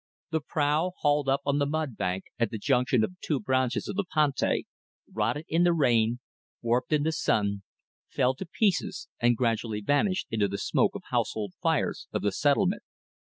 The prau hauled up on the mud bank, at the junction of the two branches of the Pantai, rotted in the rain, warped in the sun, fell to pieces and gradually vanished into the smoke of household fires of the settlement.